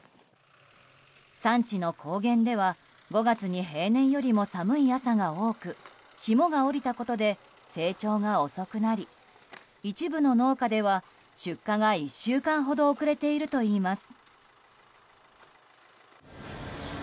産地の高原では５月に平年よりも寒い朝が多く霜が降りたことで成長が遅くなり一部の農家では出荷が１週間ほど遅れているといいます。